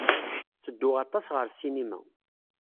Ttedduɣ aṭas ɣer ssinima.